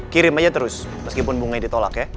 kirim aja terus meskipun bunganya ditolak ya